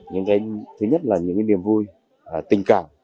cùng các cán bộ y tế